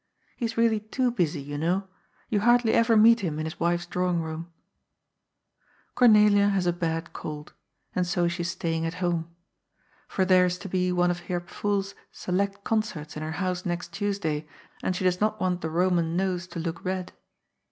He is really too busy, you know ; you hardly ever meet him in his wife's drawing room. 286 GOD'S POOL, Cornelia has a bad cold. And so she is staying at home. For there is to be one of Herr Pf nhPs select concerts in her house next Tuesday, and she does not want the Roman nose to look red.